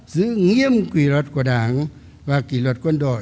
giữ nghiêm kỷ luật của đảng và kỷ luật quân đội